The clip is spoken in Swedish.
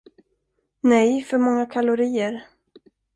Nej, för många kalorier.